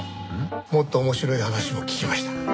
もっと面白い話も聞けました。